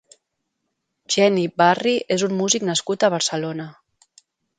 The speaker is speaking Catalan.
Geni Barry és un músic nascut a Barcelona.